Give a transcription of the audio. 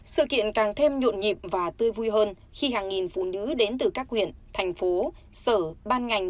sự kiện càng thêm nhộn nhịp và tươi vui hơn khi hàng nghìn phụ nữ đến từ các huyện thành phố sở ban ngành